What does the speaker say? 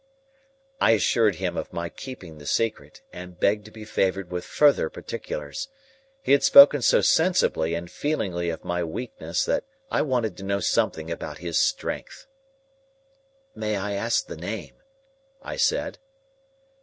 I assured him of my keeping the secret, and begged to be favoured with further particulars. He had spoken so sensibly and feelingly of my weakness that I wanted to know something about his strength. "May I ask the name?" I said.